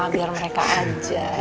biar mereka aja